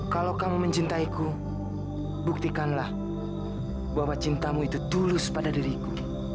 kalau kamu mencintaiku buktikanlah bahwa cintamu itu tulus pada diriku